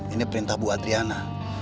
ini perintah bu adriana